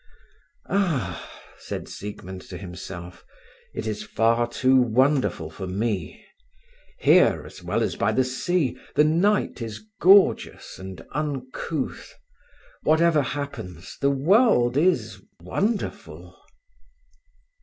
"Ah!" said Siegmund to himself; "it is far too wonderful for me. Here, as well as by the sea, the night is gorgeous and uncouth. Whatever happens, the world is wonderful."